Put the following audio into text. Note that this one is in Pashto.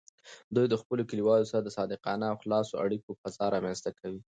دوی د خپلو کلیوالو سره د صادقانه او خلاصو اړیکو فضا رامینځته کوي.